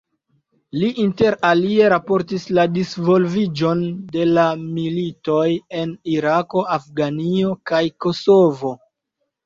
Li interalie raportis la disvolviĝon de la militoj en Irako, Afganio kaj Kosovo.